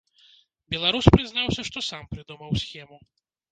Беларус прызнаўся, што сам прыдумаў схему.